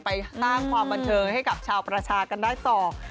ไปสร้างความบันเทิงให้กับชาวประชากันได้ต่อ